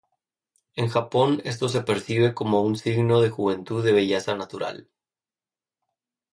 En Japón, esto se percibe como un signo de juventud y belleza natural.